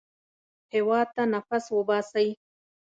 هېواد ته نفس وباسئ